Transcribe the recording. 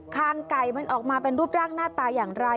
คางไก่มันออกมาเป็นรูปร่างหน้าตาอย่างไร